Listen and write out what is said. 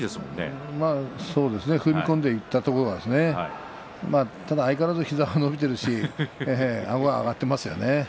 そうですね踏み込んでいったところがねただ相変わらず膝が伸びているしあごが上がっていますよね。